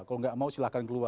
kalau nggak mau silahkan keluar